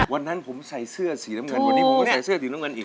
วันนั้นผมใส่เสื้อสีน้ำเงินวันนี้ผมก็ใส่เสื้อสีน้ำเงินอีก